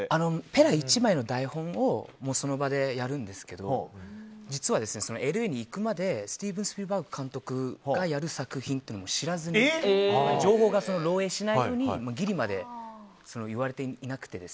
ペラ１枚の台本でその場でやるんですけど実はＬＡに行くまでスティーブン・スピルバーグ監督がやる作品というのも知らずに情報が漏えいしないようにギリまで言われていなくて。